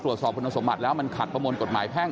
ตรวจสอบคุณสมบัติแล้วมันขัดประมวลกฎหมายแพ่ง